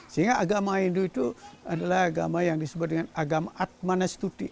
sehingga agama hindu itu adalah agama yang disebut dengan agama atmanastuti